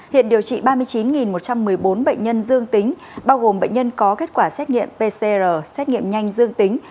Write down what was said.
hiện điều trị ba mươi chín một trăm một mươi bốn bệnh nhân dương tính bao gồm bệnh nhân có kết quả xét nghiệm pcr xét nghiệm nhanh dương tính